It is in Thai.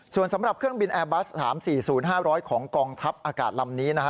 ส่วนสำหรับเครื่องบินแอร์บัสถาม๔๐๕๐๐ของกองทัพอากาศลำนี้นะฮะ